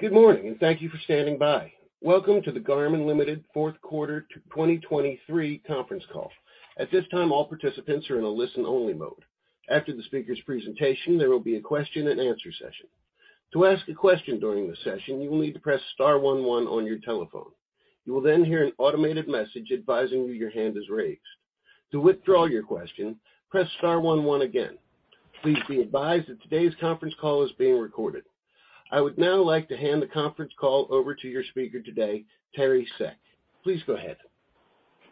Good morning, and thank you for standing by. Welcome to the Garmin Ltd. Fourth Quarter 2023 Conference Call. At this time, all participants are in a listen-only mode. After the speaker's presentation, there will be a question and answer session. To ask a question during the session, you will need to press star one, one on your telephone. You will then hear an automated message advising you your hand is raised. To withdraw your question, press star one, one again. Please be advised that today's conference call is being recorded. I would now like to hand the conference call over to your speaker today, Teri Seck. Please go ahead.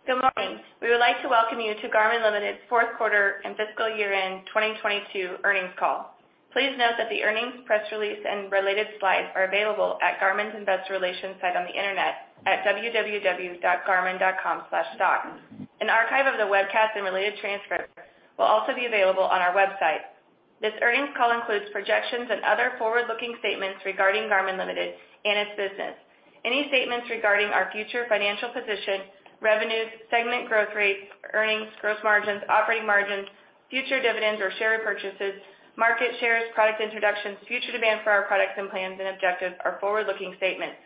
Good morning. We would like to welcome you to Garmin Limited's fourth quarter and fiscal year-end 2022 earnings call. Please note that the earnings, press release, and related slides are available at Garmin's Investor Relations site on the Internet at www.garmin.com/stock. An archive of the webcast and related transcript will also be available on our website. This earnings call includes projections and other forward-looking statements regarding Garmin Limited and its business. Any statements regarding our future financial position, revenues, segment growth rates, earnings, gross margins, operating margins, future dividends or share repurchases, market shares, product introductions, future demand for our products and plans and objectives are forward-looking statements.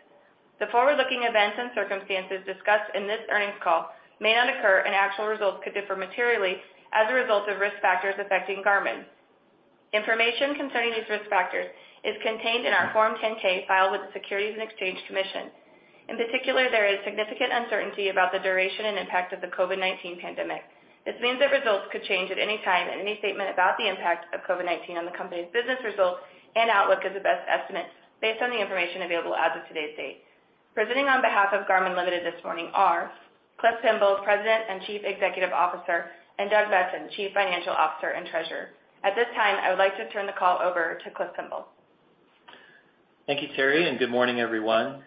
The forward-looking events and circumstances discussed in this earnings call may not occur and actual results could differ materially as a result of risk factors affecting Garmin. Information concerning these risk factors is contained in our Form 10-K filed with the Securities and Exchange Commission. There is significant uncertainty about the duration and impact of the COVID-19 pandemic. This means that results could change at any time, and any statement about the impact of COVID-19 on the company's business results and outlook is the best estimate based on the information available as of today's date. Presenting on behalf of Garmin Ltd. this morning are Cliff Pemble, President and Chief Executive Officer, and Doug Boessen, Chief Financial Officer and Treasurer. At this time, I would like to turn the call over to Cliff Pemble. Thank you, Teri, and good morning, everyone.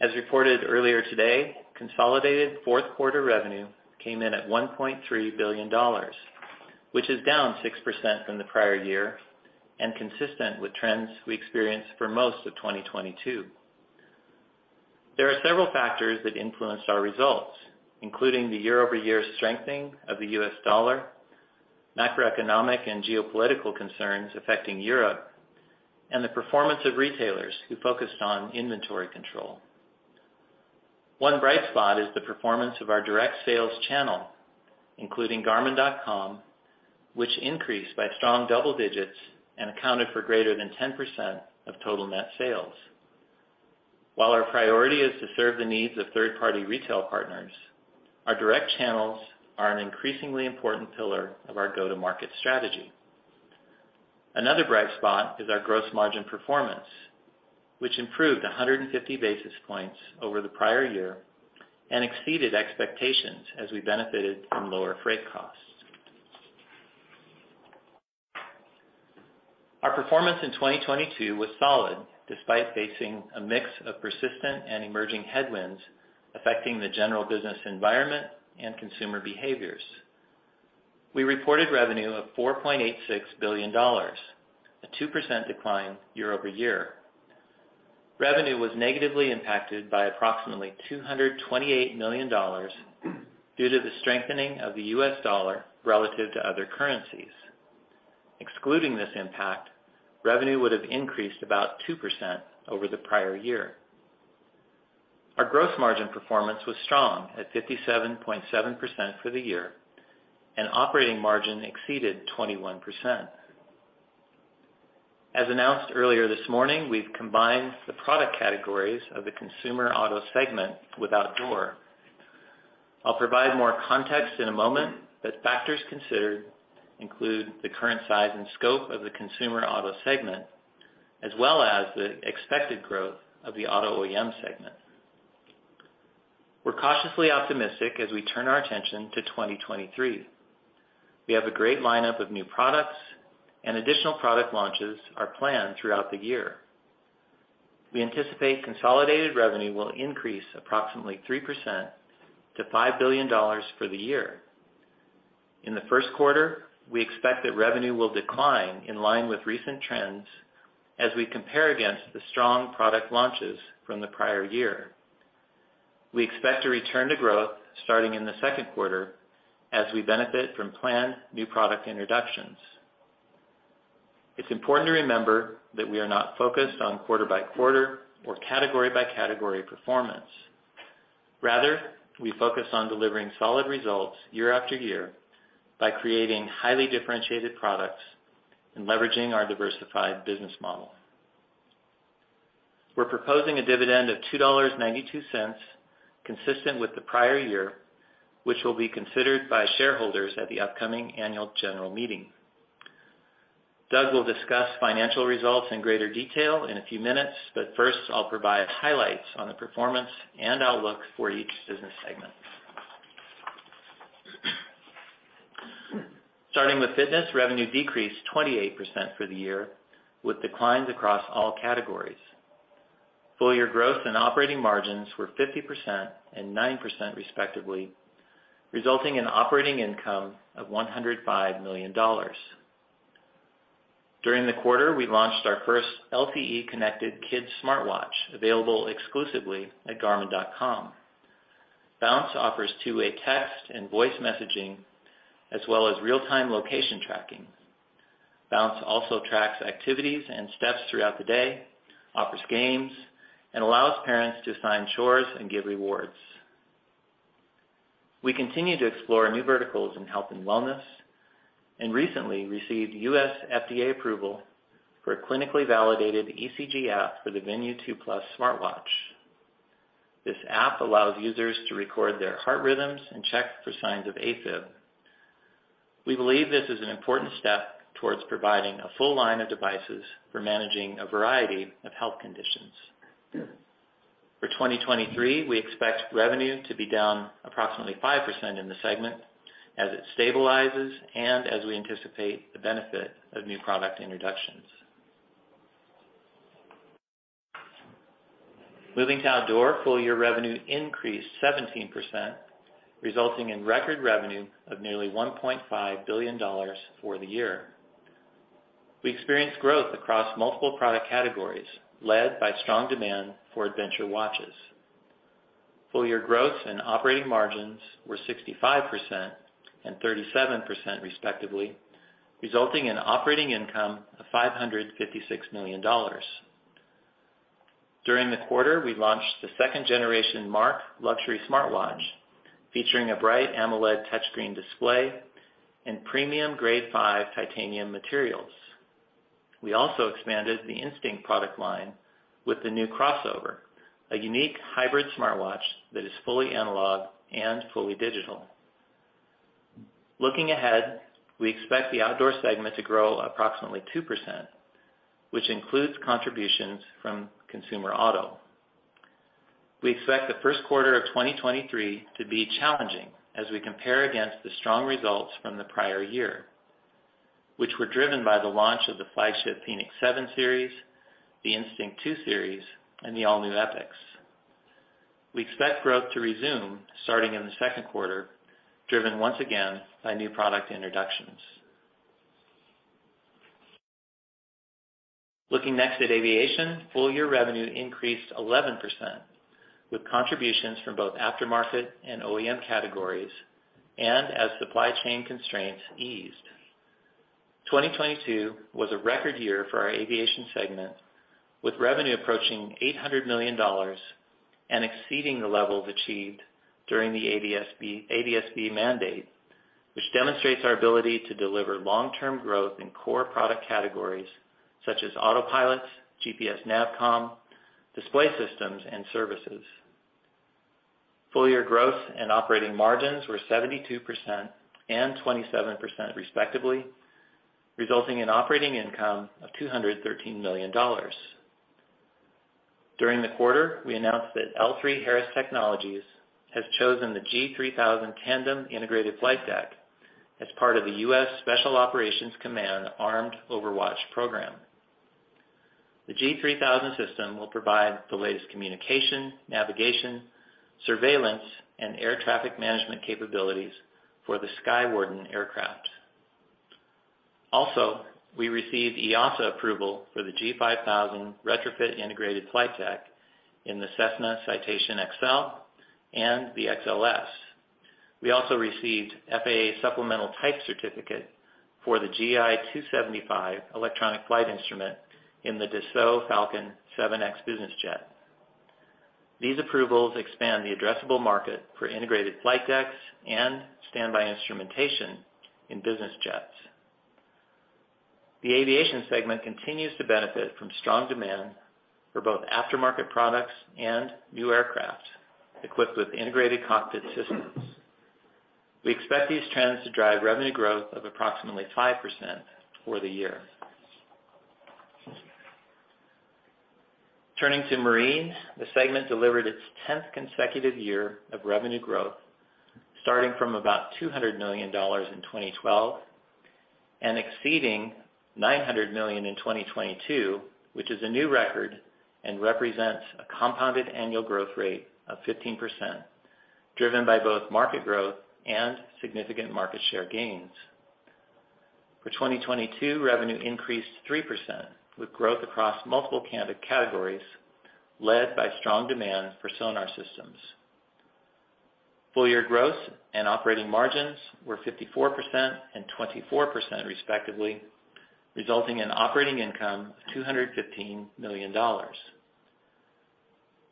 As reported earlier today, consolidated fourth quarter revenue came in at $1.3 billion, which is down 6% from the prior year and consistent with trends we experienced for most of 2022. There are several factors that influenced our results, including the year-over-year strengthening of the U.S. dollar, macroeconomic and geopolitical concerns affecting Europe, and the performance of retailers who focused on inventory control. One bright spot is the performance of our direct sales channel, including garmin.com, which increased by strong double digits and accounted for greater than 10% of total net sales. While our priority is to serve the needs of third-party retail partners, our direct channels are an increasingly important pillar of our go-to-market strategy. Another bright spot is our gross margin performance, which improved 150 basis points over the prior year and exceeded expectations as we benefited from lower freight costs. Our performance in 2022 was solid despite facing a mix of persistent and emerging headwinds affecting the general business environment and consumer behaviors. We reported revenue of $4.86 billion, a 2% decline year-over-year. Revenue was negatively impacted by approximately $228 million due to the strengthening of the U.S. dollar relative to other currencies. Excluding this impact, revenue would have increased about 2% over the prior year. Our gross margin performance was strong at 57.7% for the year, and operating margin exceeded 21%. As announced earlier this morning, we've combined the product categories of the consumer auto segment with outdoor. I'll provide more context in a moment. Factors considered include the current size and scope of the consumer auto segment, as well as the expected growth of the auto OEM segment. We're cautiously optimistic as we turn our attention to 2023. We have a great lineup of new products and additional product launches are planned throughout the year. We anticipate consolidated revenue will increase approximately 3% to $5 billion for the year. In the first quarter, we expect that revenue will decline in line with recent trends as we compare against the strong product launches from the prior year. We expect a return to growth starting in the second quarter as we benefit from planned new product introductions. It's important to remember that we are not focused on quarter-by-quarter or category-by-category performance. Rather, we focus on delivering solid results year after year by creating highly differentiated products and leveraging our diversified business model. We're proposing a dividend of $2.92, consistent with the prior year, which will be considered by shareholders at the upcoming annual general meeting. Doug will discuss financial results in greater detail in a few minutes. First, I'll provide highlights on the performance and outlook for each business segment. Starting with Fitness, revenue decreased 28% for the year, with declines across all categories. Full year growth and operating margins were 50% and 9% respectively, resulting in operating income of $105 million. During the quarter, we launched our first LTE-connected kids smartwatch, available exclusively at garmin.com. Bounce offers two-way text and voice messaging, as well as real-time location tracking. Bounce also tracks activities and steps throughout the day, offers games, and allows parents to assign chores and give rewards. We continue to explore new verticals in health and wellness, recently received US FDA approval for a clinically validated ECG app for the Venu 2 Plus smartwatch. This app allows users to record their heart rhythms and check for signs of AFib. We believe this is an important step towards providing a full line of devices for managing a variety of health conditions. For 2023, we expect revenue to be down approximately 5% in the segment as it stabilizes and as we anticipate the benefit of new product introductions. Moving to Outdoor, full year revenue increased 17%, resulting in record revenue of nearly $1.5 billion for the year. We experienced growth across multiple product categories, led by strong demand for adventure watches. Full year growth and operating margins were 65% and 37% respectively, resulting in operating income of $556 million. During the quarter, we launched the second generation MARQ luxury smartwatch, featuring a bright AMOLED touchscreen display and premium Grade 5 titanium materials. We also expanded the Instinct product line with the new Crossover, a unique hybrid smartwatch that is fully analog and fully digital. Looking ahead, we expect the Outdoor segment to grow approximately 2%, which includes contributions from consumer auto. We expect the first quarter of 2023 to be challenging as we compare against the strong results from the prior year, which were driven by the launch of the flagship fēnix 7 series, the Instinct 2 series, and the all-new epix. We expect growth to resume starting in the second quarter, driven once again by new product introductions. Looking next at Aviation, full year revenue increased 11%, with contributions from both aftermarket and OEM categories. As supply chain constraints eased, 2022 was a record year for our Aviation segment, with revenue approaching $800 million and exceeding the levels achieved during the ADS-B mandate, which demonstrates our ability to deliver long-term growth in core product categories such as autopilots, GPS/Nav/Comm, display systems and services. Full year growth and operating margins were 72% and 27% respectively, resulting in operating income of $213 million. During the quarter, we announced that L3Harris Technologies has chosen the G3000 Tandem Integrated Flight Deck as part of the U.S. Special Operations Command Armed Overwatch program. The G3000 system will provide the latest communication, navigation, surveillance, and air traffic management capabilities for the Sky Warden aircraft. We received EASA approval for the G5000 Retrofit Integrated Flight Deck in the Cessna Citation Excel and the XLS. We also received FAA Supplemental Type Certificate for the GI 275 electronic flight instrument in the Dassault Falcon 7X business jet. These approvals expand the addressable market for integrated flight decks and standby instrumentation in business jets. The Aviation segment continues to benefit from strong demand for both aftermarket products and new aircraft equipped with integrated cockpit systems. We expect these trends to drive revenue growth of approximately 5% for the year. Turning to Marine, the segment delivered its tenth consecutive year of revenue growth, starting from about $200 million in 2012 and exceeding $900 million in 2022, which is a new record and represents a compounded annual growth rate of 15%, driven by both market growth and significant market share gains. For 2022, revenue increased 3%, with growth across multiple candidate categories led by strong demand for sonar systems. Full year growth and operating margins were 54% and 24% respectively, resulting in operating income of $215 million.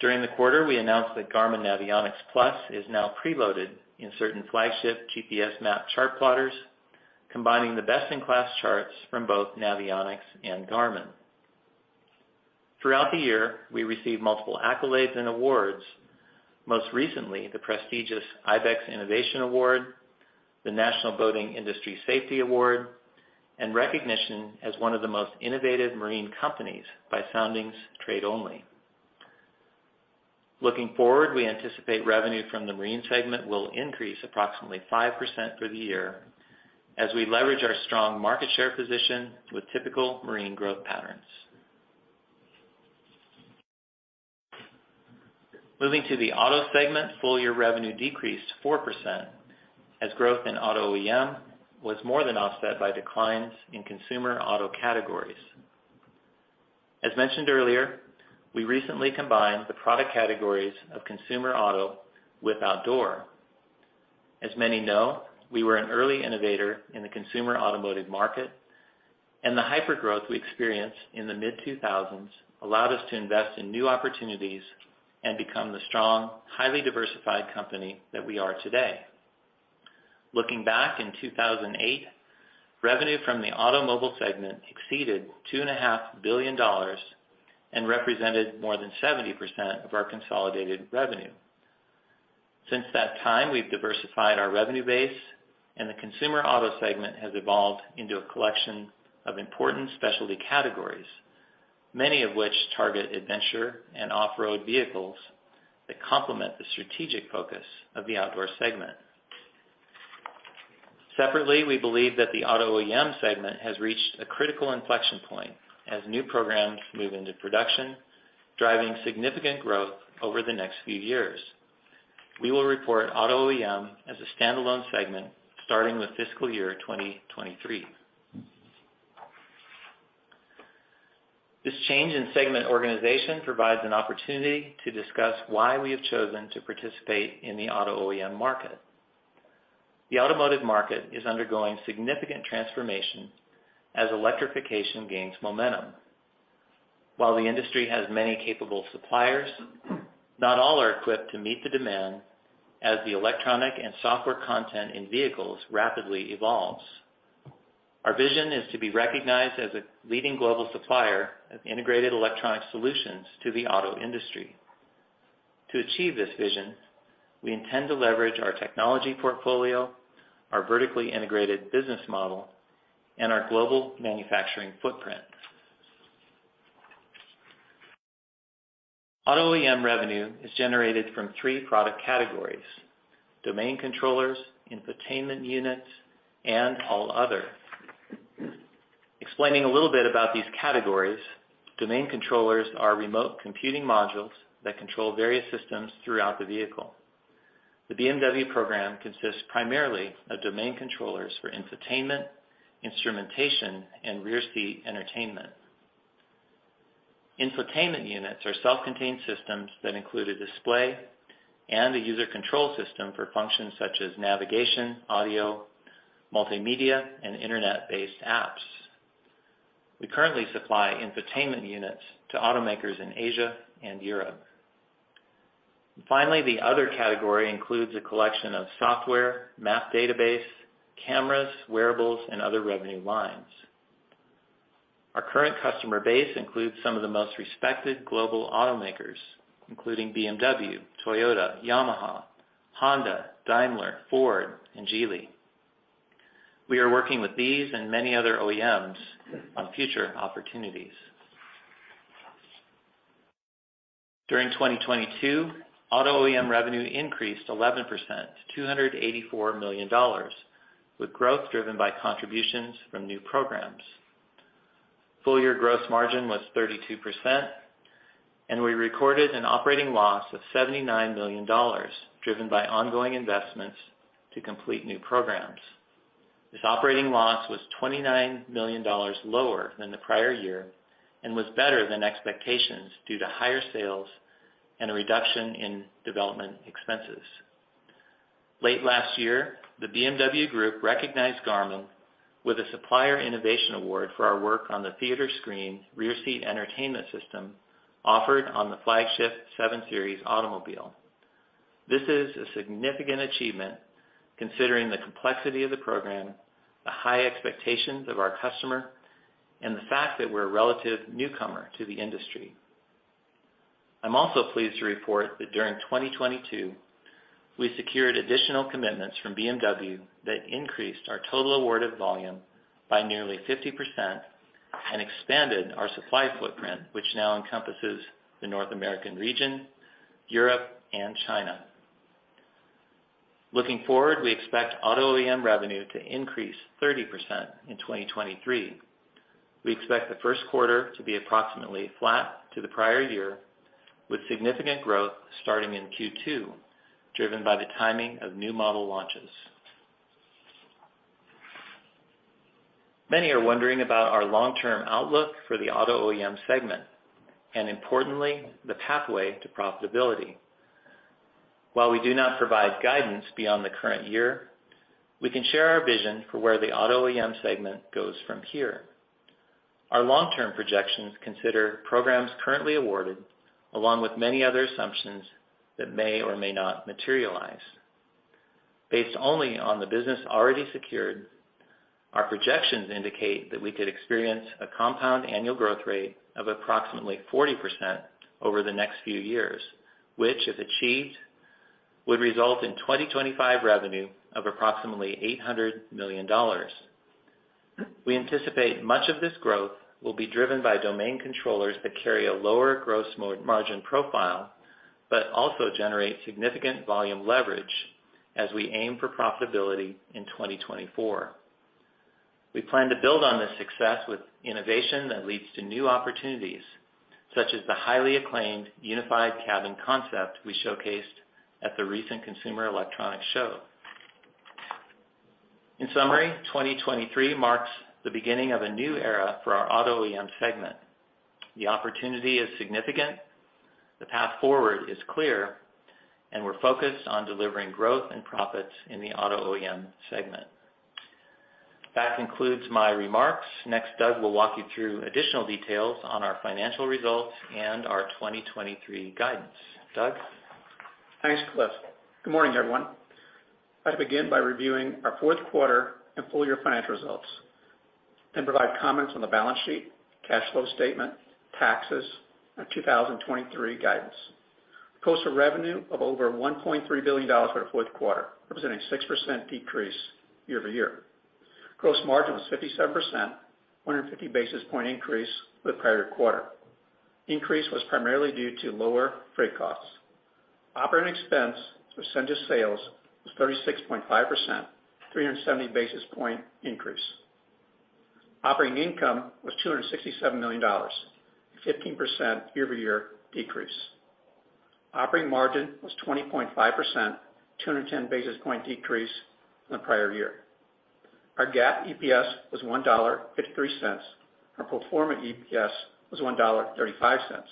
During the quarter, we announced that Garmin Navionics+ is now preloaded in certain flagship GPSMAP chart plotters, combining the best-in-class charts from both Navionics and Garmin. Throughout the year, we received multiple accolades and awards, most recently the prestigious IBEX Innovation Award, the National Boating Industry Safety Award, and recognition as one of the most innovative marine companies by Soundings Trade Only. Looking forward, we anticipate revenue from the Marine segment will increase approximately 5% for the year as we leverage our strong market share position with typical Marine growth patterns. Moving to the Auto segment, full year revenue decreased 4% as growth in auto OEM was more than offset by declines in consumer auto categories. As mentioned earlier, we recently combined the product categories of consumer auto with outdoor. As many know, we were an early innovator in the consumer automotive market, and the hyper growth we experienced in the mid-2000s allowed us to invest in new opportunities and become the strong, highly diversified company that we are today. Looking back in 2008, revenue from the automobile segment exceeded $2.5 Billion and represented more than 70% of our consolidated revenue. Since that time, we've diversified our revenue base, and the consumer auto segment has evolved into a collection of important specialty categories, many of which target adventure and off-road vehicles that complement the strategic focus of the outdoor segment. Separately, we believe that the auto OEM segment has reached a critical inflection point as new programs move into production, driving significant growth over the next few years. We will report auto OEM as a standalone segment starting with fiscal year 2023. This change in segment organization provides an opportunity to discuss why we have chosen to participate in the auto OEM market. The automotive market is undergoing significant transformation as electrification gains momentum. While the industry has many capable suppliers, not all are equipped to meet the demand as the electronic and software content in vehicles rapidly evolves. Our vision is to be recognized as a leading global supplier of integrated electronic solutions to the auto industry. To achieve this vision, we intend to leverage our technology portfolio, our vertically integrated business model, and our global manufacturing footprint. Auto OEM revenue is generated from three product categories: domain controllers, infotainment units, and all other. Explaining a little bit about these categories, domain controllers are remote computing modules that control various systems throughout the vehicle. The BMW program consists primarily of domain controllers for infotainment, instrumentation, and rear seat entertainment. Infotainment units are self-contained systems that include a display and a user control system for functions such as navigation, audio, multimedia, and Internet-based apps. We currently supply infotainment units to automakers in Asia and Europe. The other category includes a collection of software, map database, cameras, wearables, and other revenue lines. Our current customer base includes some of the most respected global automakers, including BMW, Toyota, Yamaha, Honda, Daimler, Ford, and Geely. We are working with these and many other OEMs on future opportunities. During 2022, auto OEM revenue increased 11% to $284 million, with growth driven by contributions from new programs. Full year gross margin was 32%. We recorded an operating loss of $79 million, driven by ongoing investments to complete new programs. This operating loss was $29 million lower than the prior year and was better than expectations due to higher sales and a reduction in development expenses. Late last year, the BMW Group recognized Garmin with a Supplier Innovation Award for our work on the theater screen rear seat entertainment system offered on the flagship 7 Series automobile. This is a significant achievement considering the complexity of the program, the high expectations of our customer, and the fact that we're a relative newcomer to the industry. I'm also pleased to report that during 2022, we secured additional commitments from BMW that increased our total awarded volume by nearly 50% and expanded our supply footprint, which now encompasses the North American region, Europe, and China. Looking forward, we expect auto OEM revenue to increase 30% in 2023. We expect the first quarter to be approximately flat to the prior year, with significant growth starting in Q2, driven by the timing of new model launches. Many are wondering about our long-term outlook for the auto OEM segment and importantly, the pathway to profitability. While we do not provide guidance beyond the current year, we can share our vision for where the auto OEM segment goes from here. Our long-term projections consider programs currently awarded along with many other assumptions that may or may not materialize. Based only on the business already secured, our projections indicate that we could experience a compound annual growth rate of approximately 40% over the next few years, which, if achieved, would result in 2025 revenue of approximately $800 million. We anticipate much of this growth will be driven by domain controllers that carry a lower gross margin profile, but also generate significant volume leverage as we aim for profitability in 2024. We plan to build on this success with innovation that leads to new opportunities, such as the highly acclaimed Unified Cabin concept we showcased at the recent Consumer Electronics Show. In summary, 2023 marks the beginning of a new era for our auto OEM segment. The opportunity is significant, the path forward is clear, and we're focused on delivering growth and profits in the auto OEM segment. That concludes my remarks. Next, Doug will walk you through additional details on our financial results and our 2023 guidance. Doug? Thanks, Cliff. Good morning, everyone. I begin by reviewing our fourth quarter and full year financial results, provide comments on the balance sheet, cash flow statement, taxes, and 2023 guidance. Cost of revenue of over $1.3 billion for the fourth quarter, representing a 6% decrease year-over-year. Gross margin was 57%, 150 basis point increase from the prior quarter. Increase was primarily due to lower freight costs. Operating expense as a percent of sales was 36.5%, 370 basis point increase. Operating income was $267 million, a 15% year-over-year decrease. Operating margin was 20.5%, 210 basis point decrease from the prior year. Our GAAP EPS was $1.53. Our pro forma EPS was $1.35,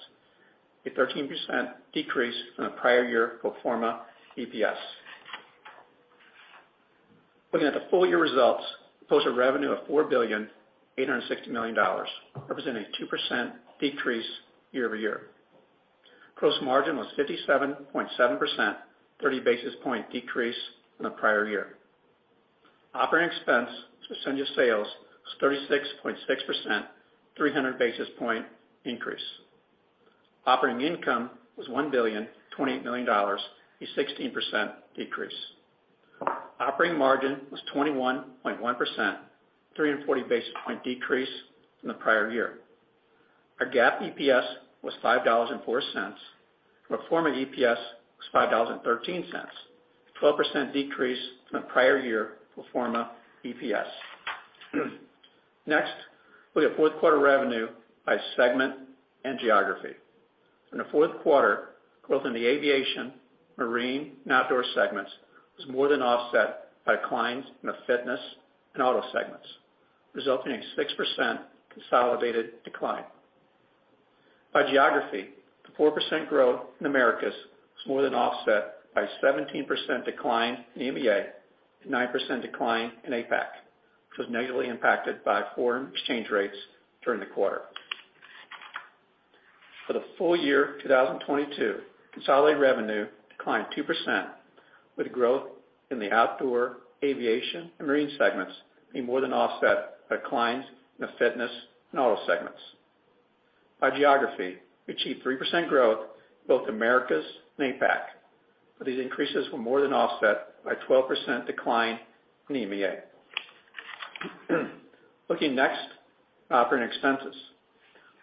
a 13% decrease from the prior year pro forma EPS. Looking at the full year results, posted revenue of $4,860 billion, representing a 2% decrease year-over-year. Gross margin was 57.7%, 30 basis point decrease from the prior year. Operating expense as a percent of sales was 36.6%, 300 basis point increase. Operating income was $1,028 billion, a 16% decrease. Operating margin was 21.1%, 340 basis point decrease from the prior year. Our GAAP EPS was $5.04. Pro forma EPS was $5.13, a 12% decrease from the prior year pro forma EPS. Next, look at fourth quarter revenue by segment and geography. In the fourth quarter, growth in the aviation, marine, and outdoor segments was more than offset by declines in the fitness and auto segments, resulting in a 6% consolidated decline. By geography, the 4% growth in Americas was more than offset by 17% decline in EMEA and 9% decline in APAC, which was negatively impacted by foreign exchange rates during the quarter. For the full year 2022, consolidated revenue declined 2%, with growth in the outdoor, aviation, and marine segments being more than offset by declines in the fitness and auto segments. By geography, we achieved 3% growth in both Americas and APAC, but these increases were more than offset by a 12% decline in EMEA. Looking next, operating expenses.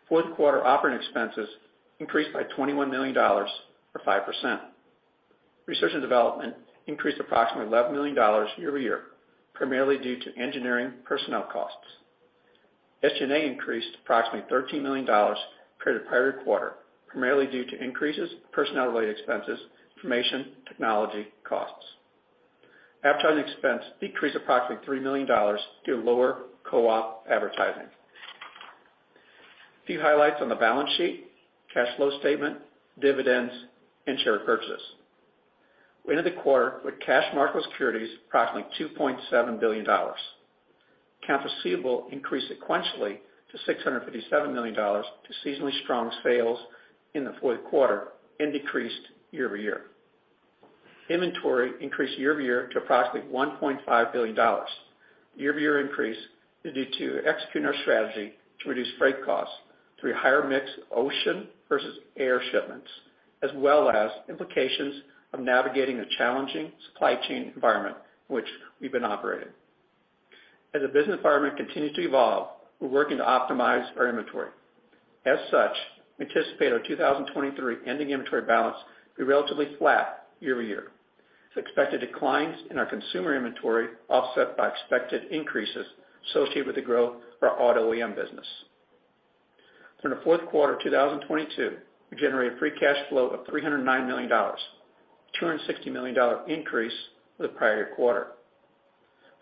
Fourth quarter operating expenses increased by $21 million, or 5%. Research and development increased approximately $11 million year-over-year, primarily due to engineering personnel costs. SG&A increased approximately $13 million compared to the prior quarter, primarily due to increases in personnel-related expenses, information technology costs. Advertising expense decreased approximately $3 million due to lower co-op advertising. A few highlights on the balance sheet, cash flow statement, dividends, and share purchases. We ended the quarter with cash market securities approximately $2.7 billion. Account receivable increased sequentially to $657 million due to seasonally strong sales in the fourth quarter and decreased year-over-year. Inventory increased year-over-year to approximately $1.5 billion. Year-over-year increase is due to executing our strategy to reduce freight costs through a higher mix of ocean versus air shipments, as well as implications of navigating the challenging supply chain environment in which we've been operating. As the business environment continues to evolve, we're working to optimize our inventory. As such, we anticipate our 2023 ending inventory balance to be relatively flat year-over-year, with expected declines in our consumer inventory offset by expected increases associated with the growth of our auto OEM business. During the fourth quarter 2022, we generated free cash flow of $309 million, a $260 million increase from the prior quarter.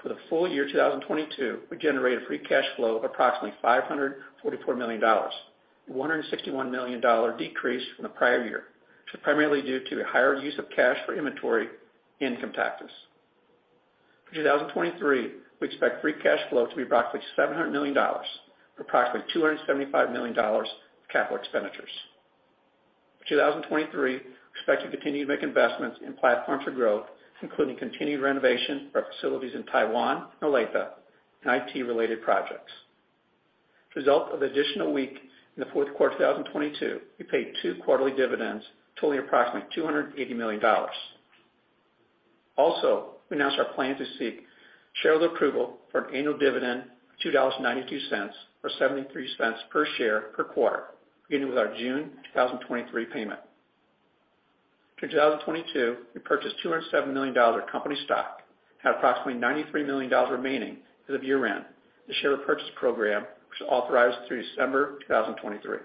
For the full year 2022, we generated free cash flow of approximately $544 million, a $161 million decrease from the prior year. This was primarily due to the higher use of cash for inventory and income taxes. For 2023, we expect free cash flow to be approximately $700 million, with approximately $275 million of capital expenditures. For 2023, we expect to continue to make investments in platforms for growth, including continued renovation of our facilities in Taiwan and Olathe and IT-related projects. As a result of the additional week in the fourth quarter 2022, we paid two quarterly dividends totaling approximately $280 million. We announced our plan to seek shareholder approval for an annual dividend of $2.92, or $0.73 per share per quarter, beginning with our June 2023 payment. Through 2022, we purchased $207 million of company stock and had approximately $93 million remaining as of year-end, the share purchase program, which was authorized through December 2023.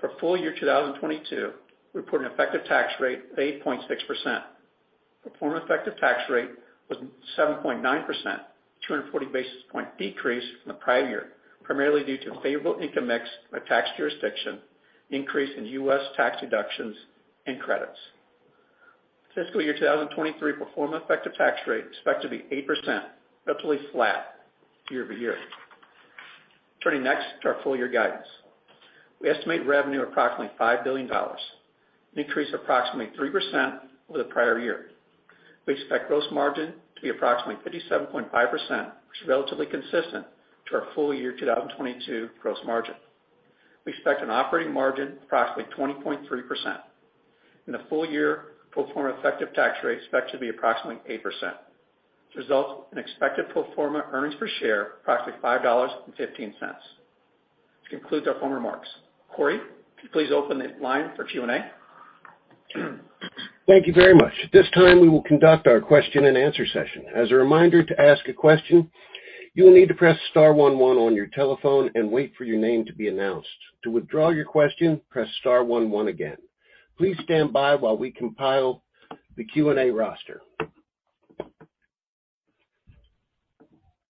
For full year 2022, we report an effective tax rate of 8.6%. Pro forma effective tax rate was 7.9%, 240 basis point decrease from the prior year, primarily due to favorable income mix by tax jurisdiction, increase in U.S. tax deductions and credits. Fiscal year 2023 Pro forma effective tax rate is expected to be 8%, relatively flat year-over-year. Turning next to our full year guidance. We estimate revenue approximately $5 billion, an increase of approximately 3% over the prior year. We expect gross margin to be approximately 57.5%, which is relatively consistent to our full year 2022 gross margin. We expect an operating margin approximately 20.3%. In the full year, Pro forma effective tax rate is expected to be approximately 8%. This results in expected pro forma earnings per share approximately $5.15. This concludes our formal remarks. Corey, could you please open the line for Q&A? Thank you very much. At this time, we will conduct our question-and-answer session. As a reminder, to ask a question, you will need to press star one one on your telephone and wait for your name to be announced. To withdraw your question, press star one one again. Please stand by while we compile the Q&A roster.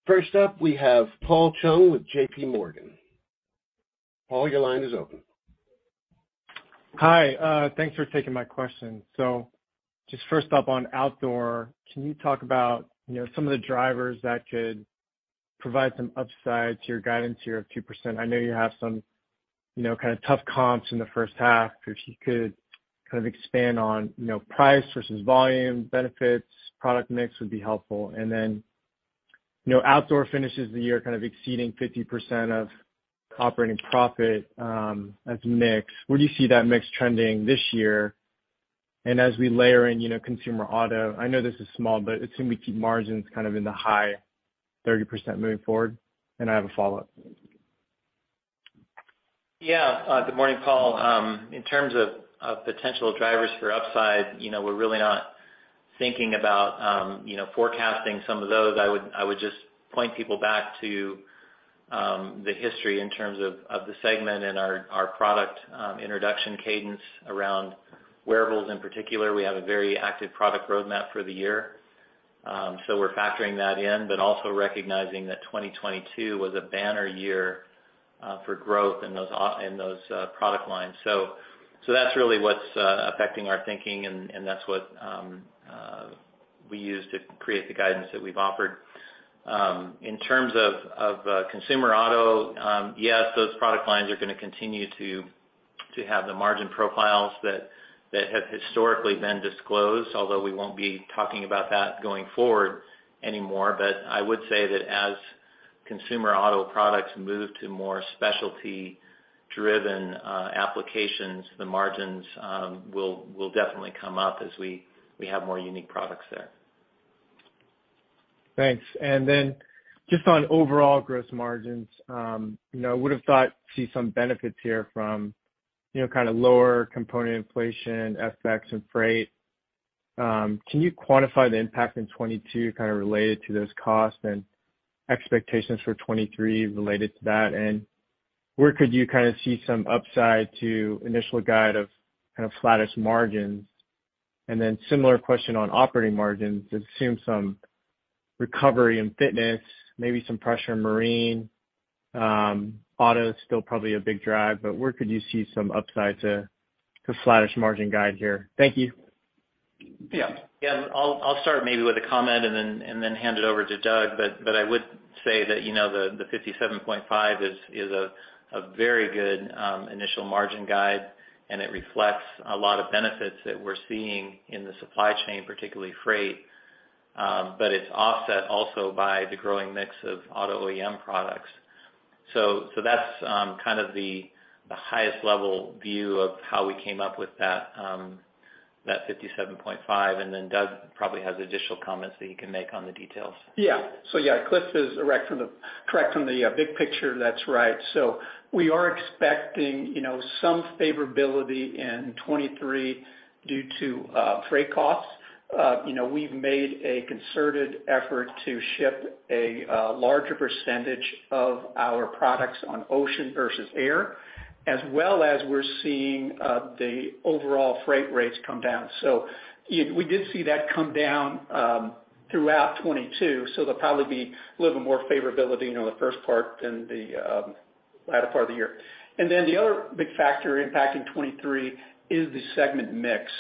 First up, we have Paul Chung with JPMorgan. Paul, your line is open. Hi. Thanks for taking my question. Just first up on outdoor, can you talk about, you know, some of the drivers that could provide some upside to your guidance here of 2%? I know you have some, you know, kind of tough comps in the first half. If you could kind of expand on, you know, price versus volume benefits, product mix would be helpful. Then, you know, outdoor finishes the year kind of exceeding 50% of operating profit as mix. Where do you see that mix trending this year? As we layer in, you know, consumer auto, I know this is small, but it seemed to keep margins kind of in the high 30% moving forward. I have a follow-up. Good morning, Paul. In terms of potential drivers for upside, you know, we're really not thinking about, you know, forecasting some of those. I would just point people back to the history in terms of the segment and our product introduction cadence around wearables in particular. We have a very active product roadmap for the year. We're factoring that in, but also recognizing that 2022 was a banner year for growth in those product lines. That's really what's affecting our thinking and that's what we use to create the guidance that we've offered. In terms of consumer auto, yes, those product lines are gonna continue to have the margin profiles that have historically been disclosed, although we won't be talking about that going forward anymore. I would say that as consumer auto products move to more specialty-driven applications, the margins will definitely come up as we have more unique products there. Thanks. Just on overall gross margins, you know, I would've thought see some benefits here from, you know, kind of lower component inflation, FX and freight. Can you quantify the impact in 2022 kind of related to those costs and expectations for 2023 related to that? Where could you kind of see some upside to initial guide of kind of flattish margins? Similar question on operating margins. It seems some recovery in fitness, maybe some pressure in marine. Auto is still probably a big drive, but where could you see some upside to flattish margin guide here? Thank you. Yeah. Yeah. I'll start maybe with a comment and then hand it over to Doug. I would say that, you know, the 57.5% is a very good initial margin guide, and it reflects a lot of benefits that we're seeing in the supply chain, particularly freight. It's offset also by the growing mix of auto OEM products. That's kind of the highest level view of how we came up with that 57.5%. Doug probably has additional comments that he can make on the details. Yeah. Yeah, Cliff is correct from the big picture. That's right. We are expecting, you know, some favorability in 2023 due to freight costs. You know, we've made a concerted effort to ship a larger percentage of our products on ocean versus air, as well as we're seeing the overall freight rates come down. We did see that come down throughout 2022, so there'll probably be a little more favorability, you know, in the first part than the latter part of the year. The other big factor impacting 2023 is the segment mix.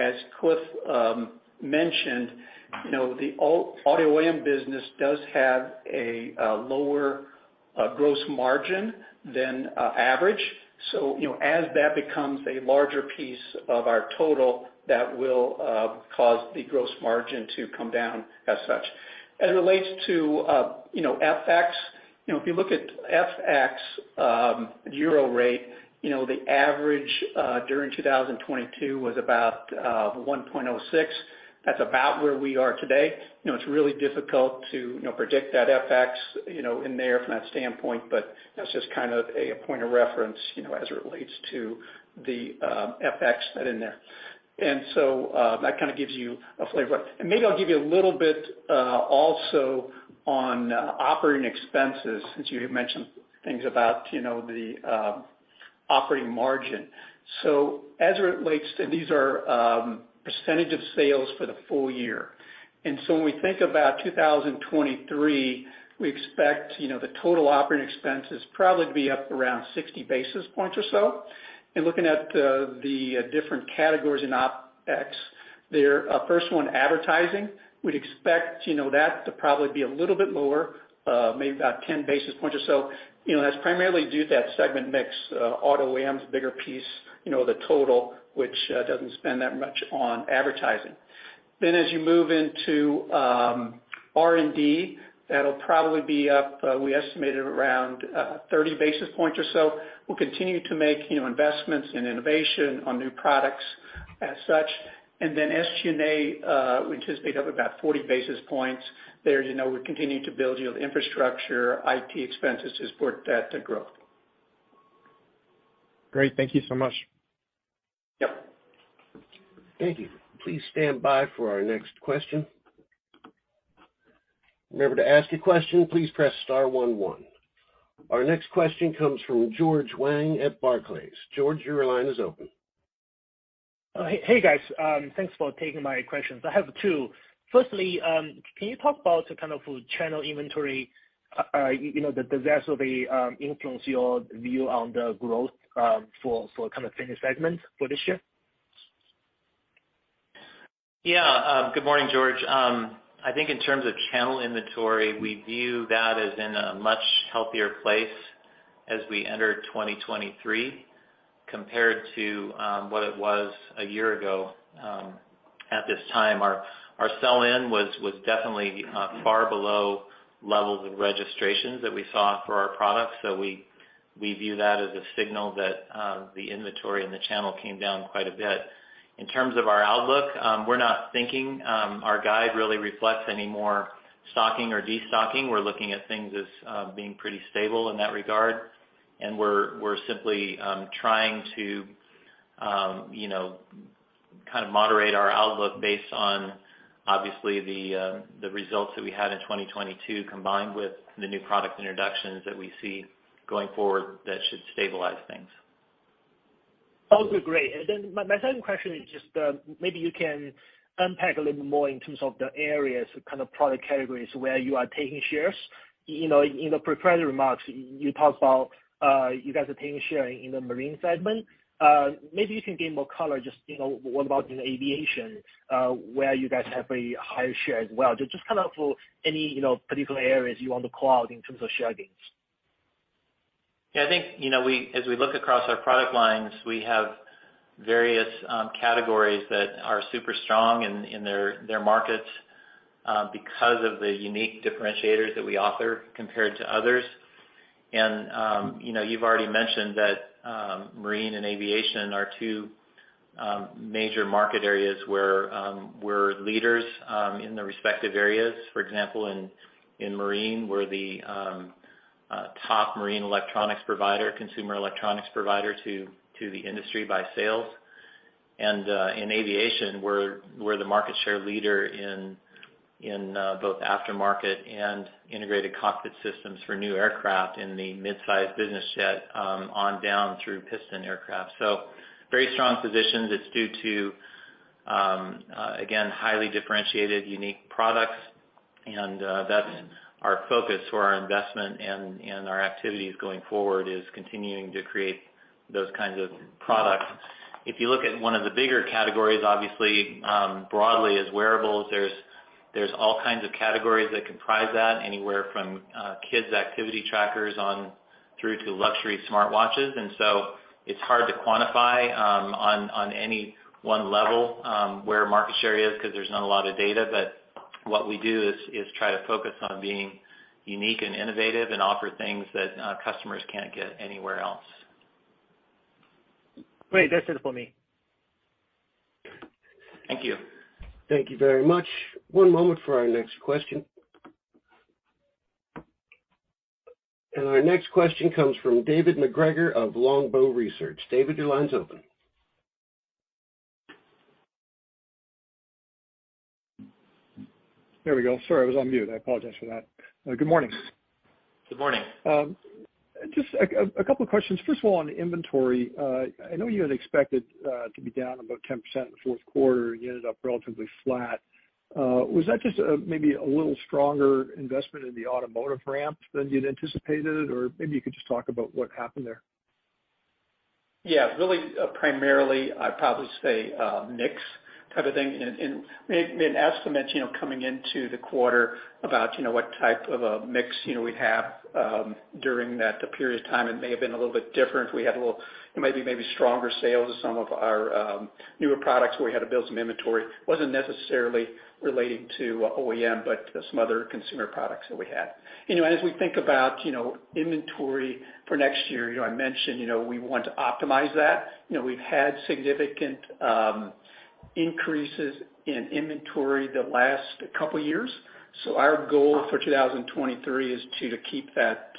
As Cliff mentioned, you know, the auto OEM business does have a lower gross margin than average. you know, as that becomes a larger piece of our total, that will cause the gross margin to come down as such. As it relates to, you know, FX, you know, if you look at FX, Euro rate, you know, the average during 2022 was about 1.06. That's about where we are today. You know, it's really difficult to, you know, predict that FX, you know, in there from that standpoint, but that's just kind of a point of reference, you know, as it relates to the FX that in there. That kind of gives you a flavor. Maybe I'll give you a little bit also on operating expenses since you had mentioned things about, you know, the operating margin. As it relates to these are percentage of sales for the full year. When we think about 2023, we expect, you know, the total operating expenses probably to be up around 60 basis points or so. In looking at the different categories in OpEx, their first one, advertising, we'd expect, you know, that to probably be a little bit lower, maybe about 10 basis points or so. You know, that's primarily due to that segment mix, auto OEM's bigger piece, you know, the total, which doesn't spend that much on advertising. As you move into R&D, that'll probably be up, we estimated around 30 basis points or so. We'll continue to make, you know, investments in innovation on new products as such. SG&A, we anticipate up about 40 basis points. There, as you know, we're continuing to build, you know, the infrastructure, IT expenses to support that, the growth. Great. Thank you so much. Yep. Thank you. Please stand by for our next question. Remember, to ask a question, please press star one one. Our next question comes from George Wang at Barclays. George, your line is open. Hey, guys. Thanks for taking my questions. I have two. Firstly, can you talk about the kind of channel inventory, you know, does that sort of influence your view on the growth for kind of finished segments for this year? Yeah. Good morning, George. I think in terms of channel inventory, we view that as in a much healthier place as we enter 2023 compared to what it was a year ago at this time. Our sell-in was definitely far below levels of registrations that we saw for our products. We view that as a signal that the inventory in the channel came down quite a bit. In terms of our outlook, we're not thinking our guide really reflects any more stocking or destocking. We're looking at things as being pretty stable in that regard. We're simply trying to, you know, kind of moderate our outlook based on obviously the results that we had in 2022, combined with the new product introductions that we see going forward that should stabilize things. Those are great. My second question is just, maybe you can unpack a little more in terms of the areas or kind of product categories where you are taking shares. You know, in the prepared remarks, you talked about, you guys are taking share in the marine segment. Maybe you can give more color just, you know, what about in aviation, where you guys have a higher share as well. Just kind of for any, you know, particular areas you want to call out in terms of share gains. Yeah, I think, you know, as we look across our product lines, we have various categories that are super strong in their markets because of the unique differentiators that we offer compared to others. You know, you've already mentioned that marine and aviation are two major market areas where we're leaders in the respective areas. For example, in marine, we're the top marine electronics provider, consumer electronics provider to the industry by sales. In aviation, we're the market share leader in both aftermarket and integrated cockpit systems for new aircraft in the midsize business jet on down through piston aircraft. Very strong positions. It's due to again, highly differentiated, unique products. That's our focus for our investment and our activities going forward is continuing to create those kinds of products. If you look at one of the bigger categories, obviously, broadly is wearables. There's all kinds of categories that comprise that, anywhere from kids activity trackers on through to luxury smartwatches. It's hard to quantify on any one level where market share is because there's not a lot of data. What we do is try to focus on being unique and innovative and offer things that customers can't get anywhere else. Great. That's it for me. Thank you. Thank you very much. One moment for our next question. Our next question comes from David MacGregor of Longbow Research. David, your line's open. There we go. Sorry, I was on mute. I apologize for that. Good morning. Good morning. Just a couple of questions. First of all, on inventory, I know you had expected to be down about 10% in the fourth quarter, you ended up relatively flat. Was that just maybe a little stronger investment in the automotive ramp than you'd anticipated? Maybe you could just talk about what happened there? Yeah, really, primarily I'd probably say mix type of thing. We had made an estimate, you know, coming into the quarter about, you know, what type of a mix, you know, we'd have during that period of time. It may have been a little bit different. We had a little, maybe stronger sales of some of our newer products where we had to build some inventory. Wasn't necessarily relating to OEM, but some other consumer products that we had. You know, as we think about, you know, inventory for next year, you know, I mentioned, you know, we want to optimize that. You know, we've had significant increases in inventory the last couple years. Our goal for 2023 is to keep that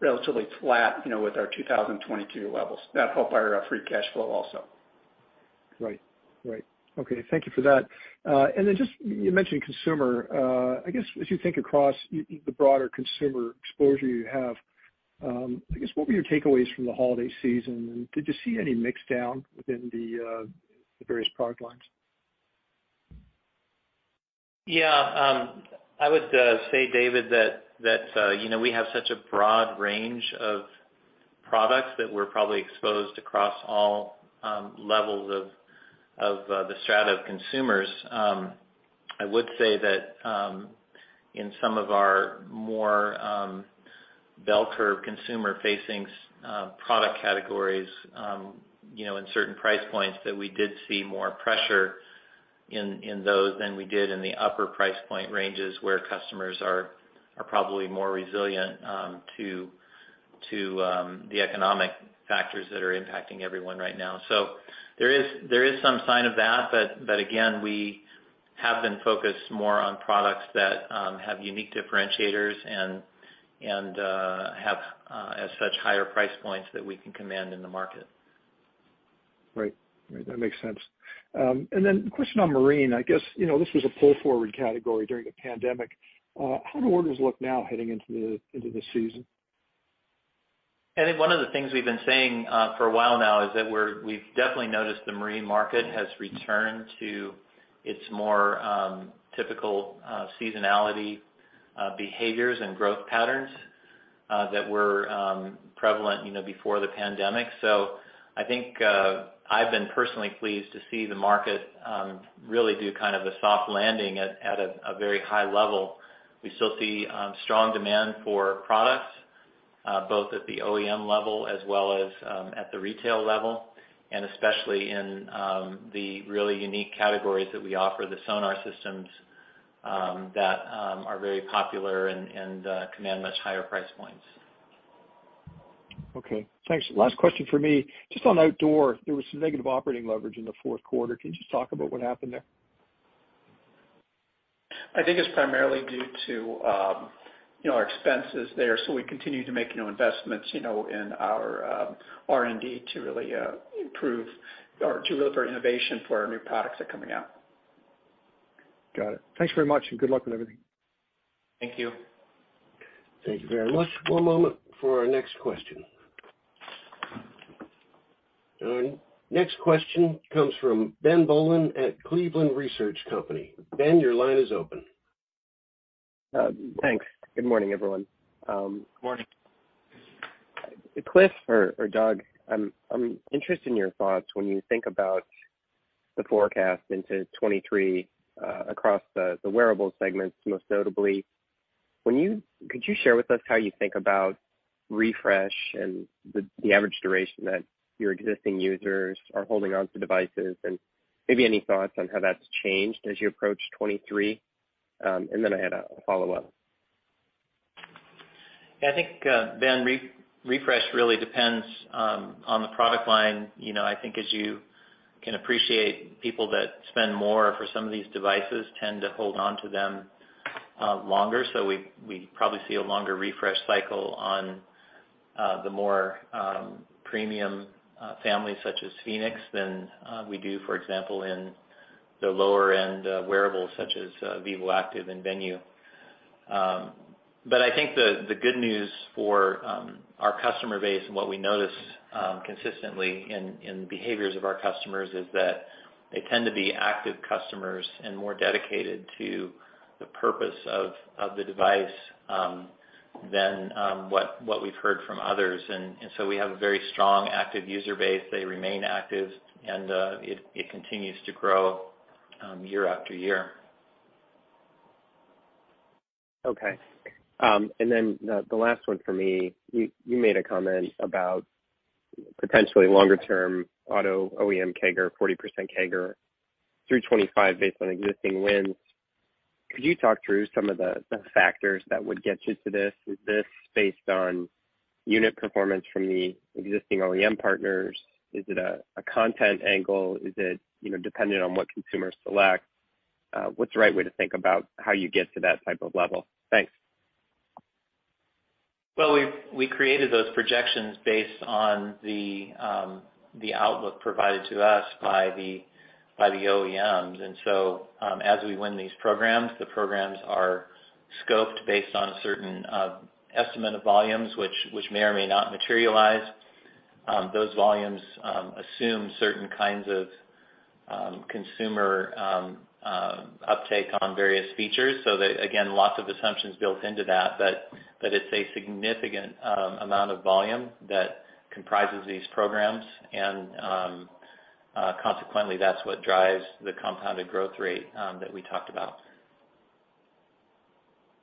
relatively flat, you know, with our 2022 levels. That'll help our free cash flow also. Right. Right. Okay. Thank you for that. Then just, you mentioned consumer, I guess, as you think across the broader consumer exposure you have, I guess, what were your takeaways from the holiday season? Did you see any mix down within the various product lines? Yeah. I would say, David, that, you know, we have such a broad range of products that we're probably exposed across all levels of the strata of consumers. I would say that, in some of our more bell curve consumer-facing product categories, you know, in certain price points, that we did see more pressure in those than we did in the upper price point ranges, where customers are probably more resilient to the economic factors that are impacting everyone right now. There is some sign of that. Again, we have been focused more on products that have unique differentiators and, as such, higher price points that we can command in the market. Right. Right. That makes sense. A question on marine. I guess, you know, this was a pull forward category during the pandemic. How do orders look now heading into the season? I think one of the things we've been saying for a while now is that we've definitely noticed the marine market has returned to its more typical seasonality behaviors and growth patterns that were prevalent, you know, before the pandemic. I think I've been personally pleased to see the market really do kind of a soft landing at a very high level. We still see strong demand for products both at the OEM level as well as at the retail level, and especially in the really unique categories that we offer, the sonar systems that are very popular and command much higher price points. Okay. Thanks. Last question from me. Just on outdoor, there was some negative operating leverage in the fourth quarter. Can you just talk about what happened there? I think it's primarily due to, you know, our expenses there. We continue to make new investments, you know, in our R&D to really improve or to deliver innovation for our new products that are coming out. Got it. Thanks very much. Good luck on everything. Thank you. Thank you very much. One moment for our next question. Our next question comes from Ben Bollin at Cleveland Research Company. Ben, your line is open. Thanks. Good morning, everyone. Good morning. Cliff or Doug, I'm interested in your thoughts when you think about the forecast into 2023, across the wearable segments, most notably. Could you share with us how you think about refresh and the average duration that your existing users are holding onto devices? Maybe any thoughts on how that's changed as you approach 2023. I had a follow-up. Yeah. I think Ben, refresh really depends on the product line. You know, I think as you can appreciate, people that spend more for some of these devices tend to hold onto them longer. We, we probably see a longer refresh cycle on the more premium families such as fēnix than we do, for example, in the lower end wearables such as vīvoactive and Venu. I think the good news for our customer base and what we notice consistently in behaviors of our customers is that they tend to be active customers and more dedicated to the purpose of the device than what we've heard from others. We have a very strong active user base. They remain active, and it continues to grow, year after year. Okay. The last one from me. You made a comment about potentially longer term auto OEM CAGR, 40% CAGR through 2025 based on existing wins. Could you talk through some of the factors that would get you to this? Is this based on unit performance from the existing OEM partners? Is it a content angle? Is it, you know, dependent on what consumers select? What's the right way to think about how you get to that type of level? Thanks. Well, we created those projections based on the outlook provided to us by the OEMs. As we win these programs, the programs are scoped based on a certain estimate of volumes which may or may not materialize. Those volumes assume certain kinds of consumer uptake on various features. Again, lots of assumptions built into that. But it's a significant amount of volume that comprises these programs. Consequently, that's what drives the compounded growth rate that we talked about.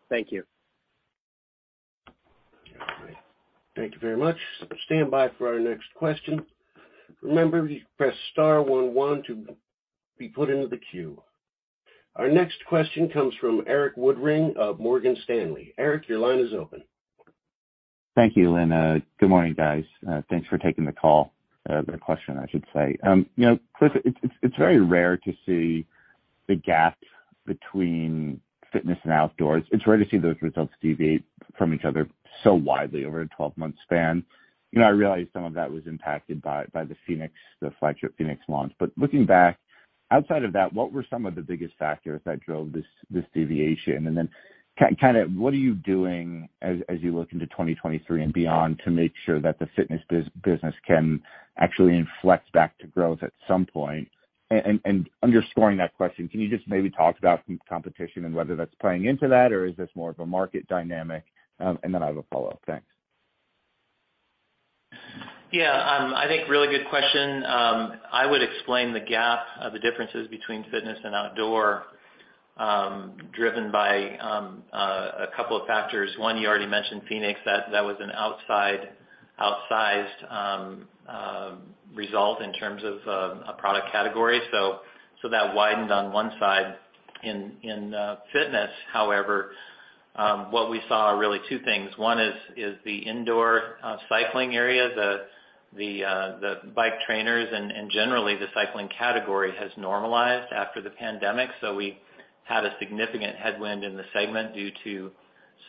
Thank you. Thank you very much. Stand by for our next question. Remember to press star one, one to be put into the queue. Our next question comes from Erik Woodring of Morgan Stanley. Eric, your line is open. Thank you, Lynn. Good morning, guys. Thanks for taking the call. The question, I should say. You know, Cliff, it's very rare to see- The gap between fitness and outdoors, it's rare to see those results deviate from each other so widely over a 12-month span. You know, I realize some of that was impacted by the fēnix, the flagship fēnix launch. Looking back, outside of that, what were some of the biggest factors that drove this deviation? Kind of what are you doing as you look into 2023 and beyond to make sure that the fitness business can actually inflect back to growth at some point? Underscoring that question, can you just maybe talk about some competition and whether that's playing into that, or is this more of a market dynamic? I have a follow-up. Thanks. I think really good question. I would explain the gap of the differences between fitness and outdoor, driven by a couple of factors. One, you already mentioned fēnix. That was an outsized result in terms of a product category. That widened on one side. In fitness, however, what we saw are really two things. One is the indoor cycling area, the bike trainers and generally the cycling category has normalized after the pandemic. We had a significant headwind in the segment due to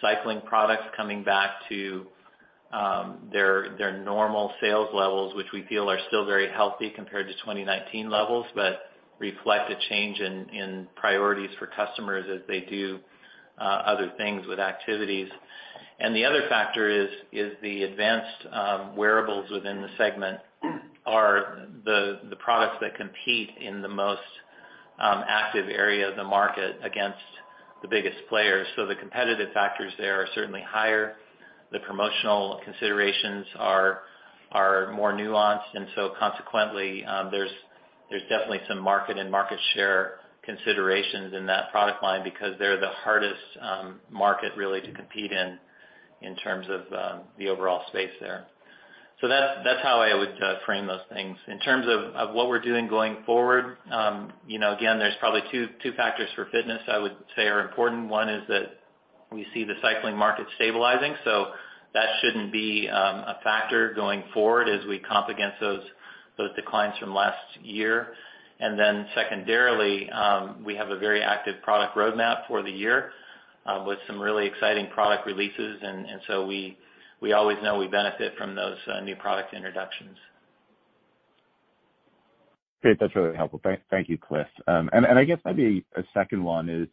cycling products coming back to their normal sales levels, which we feel are still very healthy compared to 2019 levels, but reflect a change in priorities for customers as they do other things with activities. The other factor is the advanced wearables within the segment are the products that compete in the most active area of the market against the biggest players. The competitive factors there are certainly higher. The promotional considerations are more nuanced, consequently, there's definitely some market and market share considerations in that product line because they're the hardest market really to compete in terms of the overall space there. That's how I would frame those things. In terms of what we're doing going forward, you know, again, there's probably two factors for fitness I would say are important. One is that we see the cycling market stabilizing, that shouldn't be a factor going forward as we comp against those declines from last year. Secondarily, we have a very active product roadmap for the year, with some really exciting product releases. We always know we benefit from those new product introductions. Great. That's really helpful. Thank you, Cliff. I guess maybe a second one is,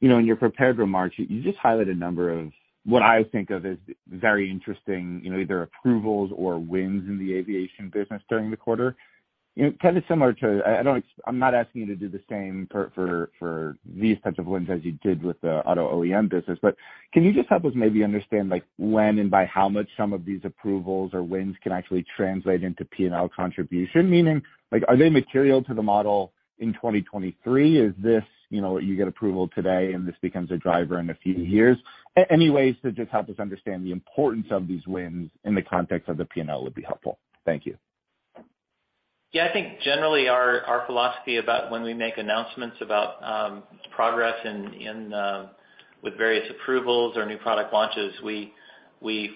you know, in your prepared remarks, you just highlighted a number of what I think of as very interesting, you know, either approvals or wins in the aviation business during the quarter. You know, kind of similar to. I'm not asking you to do the same for these types of wins as you did with the auto OEM business. Can you just help us maybe understand, like, when and by how much some of these approvals or wins can actually translate into P&L contribution? Meaning, like, are they material to the model in 2023? Is this, you know, you get approval today and this becomes a driver in a few years? Any ways to just help us understand the importance of these wins in the context of the P&L would be helpful. Thank you. Yeah. I think generally our philosophy about when we make announcements about progress in with various approvals or new product launches, we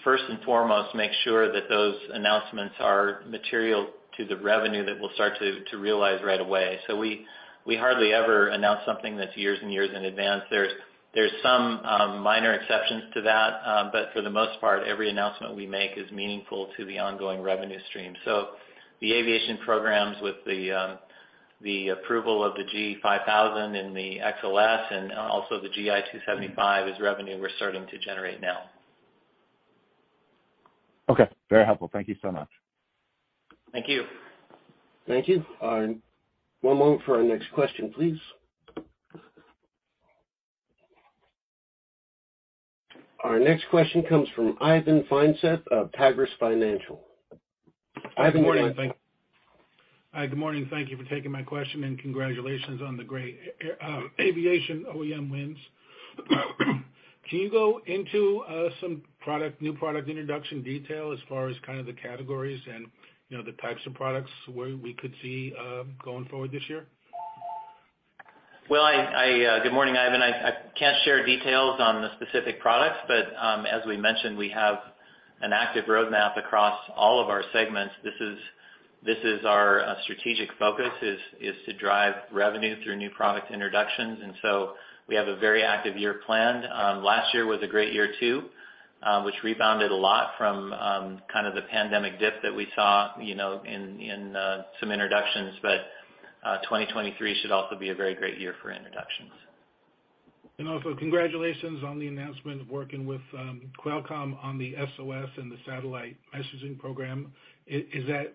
first and foremost make sure that those announcements are material to the revenue that we'll start to realize right away. We hardly ever announce something that's years and years in advance. There's some minor exceptions to that. For the most part, every announcement we make is meaningful to the ongoing revenue stream. The aviation programs with the approval of the G5000 and the XLS and also the GI 275 is revenue we're starting to generate now. Okay, very helpful. Thank you so much. Thank you. Thank you. One moment for our next question, please. Our next question comes from Ivan Feinseth of Tigress Financial. Ivan, go ahead. Good morning. Hi, good morning. Thank you for taking my question. Congratulations on the great aviation OEM wins. Can you go into some product, new product introduction detail as far as kind of the categories and, you know, the types of products where we could see going forward this year? Good morning, Ivan. I can't share details on the specific products, as we mentioned, we have an active roadmap across all of our segments. This is our strategic focus is to drive revenue through new product introductions, we have a very active year planned. Last year was a great year too, which rebounded a lot from kind of the pandemic dip that we saw, you know, in some introductions. 2023 should also be a very great year for introductions. Also congratulations on the announcement of working with Qualcomm on the SOS and the satellite messaging program.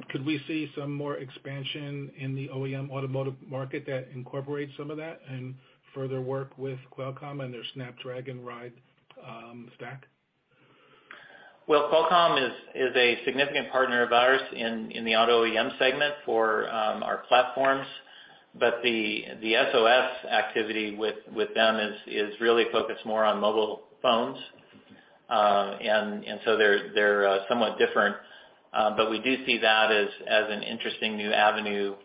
Could we see some more expansion in the OEM automotive market that incorporates some of that and further work with Qualcomm and their Snapdragon Ride stack? Qualcomm is a significant partner of ours in the auto OEM segment for our platforms. The SOS activity with them is really focused more on mobile phones. They're somewhat different. We do see that as an interesting new avenue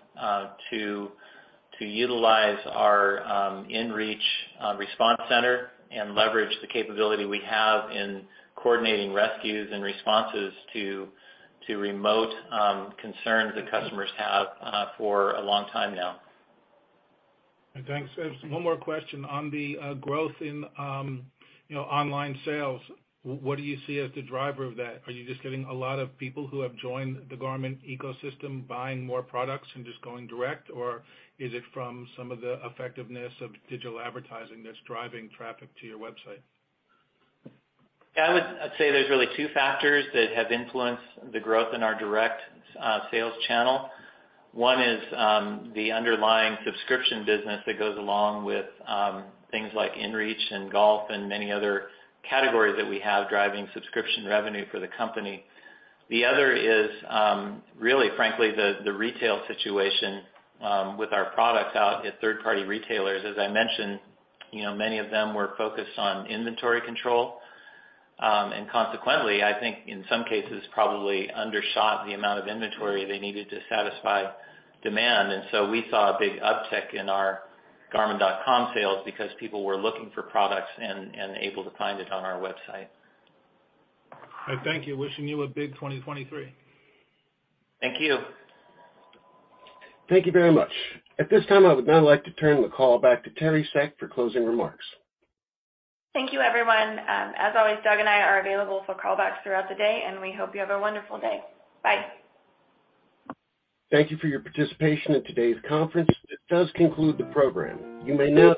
to utilize our inReach response center and leverage the capability we have in coordinating rescues and responses to remote concerns that customers have for a long time now. Thanks. One more question on the growth in, you know, online sales. What do you see as the driver of that? Are you just getting a lot of people who have joined the Garmin ecosystem buying more products and just going direct, or is it from some of the effectiveness of digital advertising that's driving traffic to your website? Yeah. I would say there's really two factors that have influenced the growth in our direct sales channel. One is the underlying subscription business that goes along with things like inReach and golf and many other categories that we have driving subscription revenue for the company. The other is really, frankly, the retail situation with our products out at third-party retailers. As I mentioned, you know, many of them were focused on inventory control, consequently, I think in some cases probably undershot the amount of inventory they needed to satisfy demand. We saw a big uptick in our garmin.com sales because people were looking for products and able to find it on our website. All right. Thank you. Wishing you a big 2023. Thank you. Thank you very much. At this time, I would now like to turn the call back to Teri Seck for closing remarks. Thank you, everyone. As always, Doug and I are available for callbacks throughout the day, and we hope you have a wonderful day. Bye. Thank you for your participation in today's conference. That does conclude the program. You may now